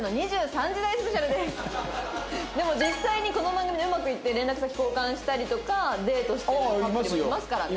でも実際にこの番組でうまくいって連絡先交換したりとかデートしてるカップルもいますからね。